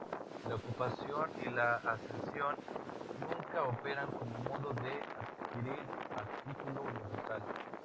La ocupación y la accesión Nunca operan como modo de adquirir a título universal.